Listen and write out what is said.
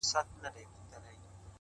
یوه ورځ گوربت زمري ته ویل وروره،